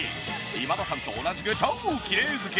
今田さんと同じく超きれい好き。